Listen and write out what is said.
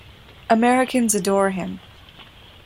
Americans adore him.